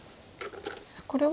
これは。